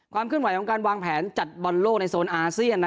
การวางแผนจัดบอนโลกในโซนอาเซียน